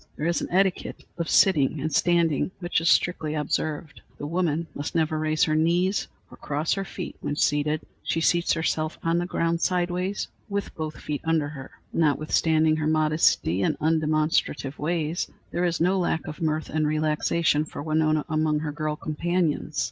There is an etiquette of sitting and standing, which is strictly observed. The woman must never raise her knees or cross her feet when seated. She seats herself on the ground sidewise, with both feet under her. Notwithstanding her modesty and undemonstrative ways, there is no lack of mirth and relaxation for Winona among her girl companions.